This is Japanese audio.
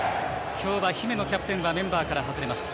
今日は姫野キャプテンはメンバーから外れました。